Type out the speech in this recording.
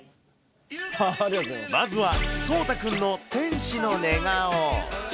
まずは、そうたくんの天使の寝顔。